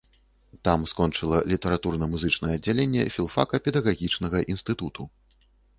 Там скончыла літаратурна-музычнае аддзяленне філфака педагагічнага інстытуту.